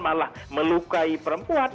malah melukai perempuan